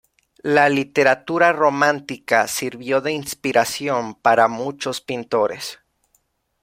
La literatura romántica sirvió de inspiración para muchos pintores.